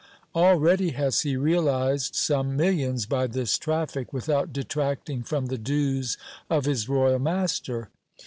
Already has he realized some millions by this traffic, without detracting from the dues of his royal master.